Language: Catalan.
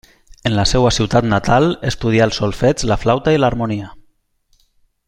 En la seva ciutat natal estudià el solfeig, la flauta i l'harmonia.